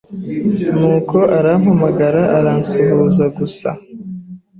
nuko arampamagara aransuhuza gusa